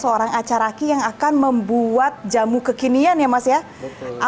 seorang acaraki yang akan membuat jamu kekinian ya mas ya